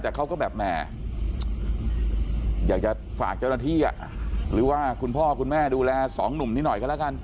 แต่เขาก็แบบแหมอยากจะฝากเจ้าหน้าที่หรือว่าคุณพ่อคุณแม่ดูแลสองหนุ่มนี้หน่อยก็แล้วกัน